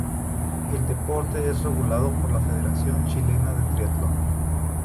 El deporte es regulado por la Federación Chilena de Triatlón.